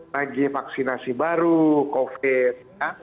lagi vaksinasi baru covid